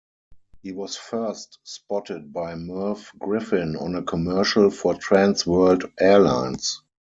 He was first spotted by Merv Griffin on a commercial for Trans World Airlines.